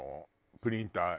プリン体。